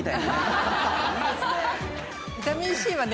ビタミンＣはね